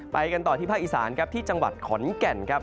ไปกันต่อที่ภาคอีสานที่จังหวัดขอนแก่น